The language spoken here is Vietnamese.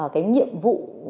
cái nhiệm vụ